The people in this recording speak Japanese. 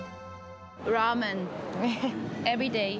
ラーメン。